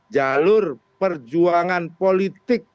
jalur perjuangan politik